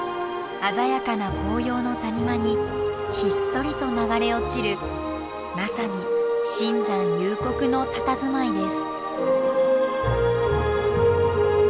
鮮やかな紅葉の谷間にひっそりと流れ落ちるまさに深山幽谷のたたずまいです。